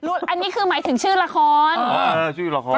อุ๊ยอันนี้คือหมายถึงชื่อลักษณ์